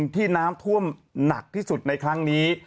ที่น้ำท่วมหนักที่สุดในครั้งนี้